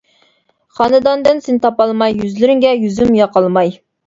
خانىداندىن سېنى تاپالماي، يۈزلىرىڭگە يۈزۈم ياقالماي.